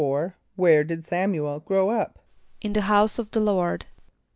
= Where did S[)a]m´u el grow up? =In the house of the Lord.